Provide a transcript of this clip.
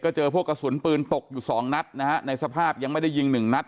เจอพวกกระสุนปืนตกอยู่สองนัดนะฮะในสภาพยังไม่ได้ยิงหนึ่งนัด